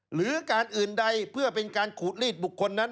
หรือการอื่นใดเพื่อเป็นการขูดลีดบุคคลนั้น